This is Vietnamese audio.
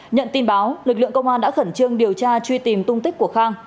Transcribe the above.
nhận tin báo lực lượng công an đã khẩn trương điều tra truy tìm tung tích của khang